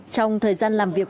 trong thời gian làm việc